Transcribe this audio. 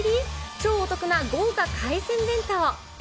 超お得な豪華海鮮弁当。